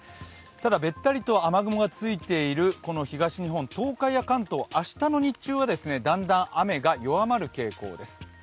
ただべったりと雨雲がついているこの東日本、東海や関東、明日の日中はだんだん雨が弱まる傾向です。